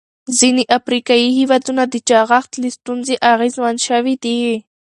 ځینې افریقایي هېوادونه د چاغښت له ستونزې اغېزمن شوي دي.